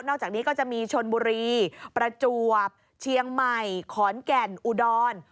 อกจากนี้ก็จะมีชนบุรีประจวบเชียงใหม่ขอนแก่นอุดร